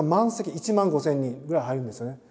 １万５，０００人ぐらい入るんですよね。